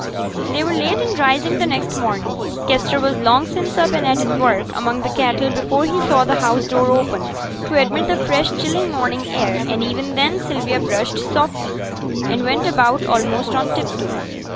They were late in rising the next morning. Kester was long since up and at his work among the cattle before he saw the house door open to admit the fresh chill morning air; and even then Sylvia brushed softly, and went about almost on tip toe.